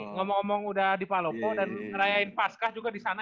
ngomong ngomong udah di palopo dan ngerayain paskah juga di sana